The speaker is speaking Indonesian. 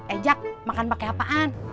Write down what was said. eh jak makan pake apaan